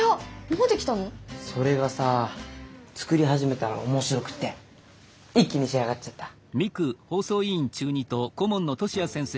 それがさ作り始めたら面白くって一気に仕上がっちゃった。